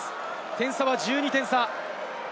点差は１２点。